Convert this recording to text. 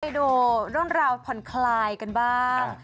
ไปดูเรื่องราวผ่อนคลายกันบ้าง